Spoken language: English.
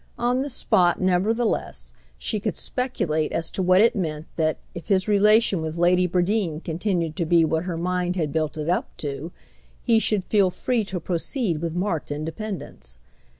On the spot, nevertheless, she could speculate as to what it meant that, if his relation with Lady Bradeen continued to be what her mind had built it up to, he should feel free to proceed with marked independence.